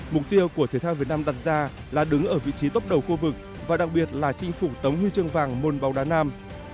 mục tiêu của thể thao việt nam đặt ra là đứng ở vị trí tốc đầu khu vực và đặc biệt là chinh phục tống huy chương vàng môn bóng đá nam